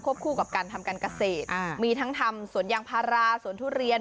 คู่กับการทำการเกษตรอ่ามีทั้งทำสวนยางพาราสวนทุเรียน